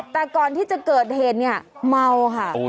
แต่ก่อนที่จะเกิดเหตุเนี่ยเมาค่ะ